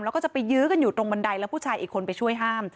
แล้วก็จะไปยื้อกันอยู่ตรงบันไดแล้วผู้ชายอีกคนไปช่วยห้าม